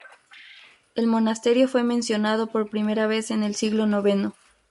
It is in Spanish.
El monasterio fue mencionado por primera vez en el siglo noveno.